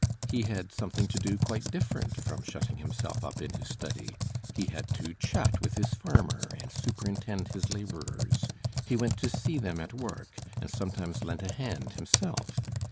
He had something to do quite different from shutting himself up in his study. He had to chat with his farmer, and superintend his laborers. He went to see them at work, and sometimes lent a hand himself.